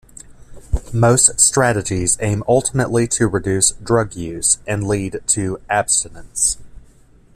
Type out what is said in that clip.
Most strategies aim ultimately to reduce drug use and lead to abstinence.